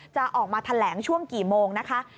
จะออกมาแถลงช่วงกี่โมงนะคะ